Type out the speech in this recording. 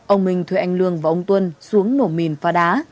ông minh thuê anh lương và ông tuân xuống nổ mìn pha đá